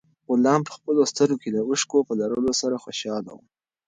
غلام په خپلو سترګو کې د اوښکو په لرلو سره خوشاله و.